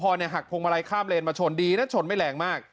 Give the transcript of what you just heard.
พระพระสมพลหักพรงมาลัยข้ามเลนมาชนดีนะชนไม่แรงมาก